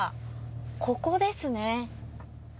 ここですね。